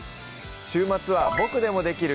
週末は「ボクでもできる！